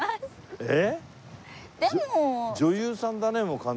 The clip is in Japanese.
えっ！？